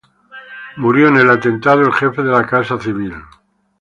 El jefe de la casa militar murió en el atentado.